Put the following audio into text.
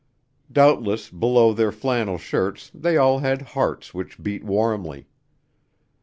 Doubtless below their flannel shirts they all had hearts which beat warmly.